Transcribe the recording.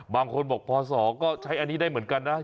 บางคนบอกพศก็ใช้อันนี้ได้เหมือนกันนะ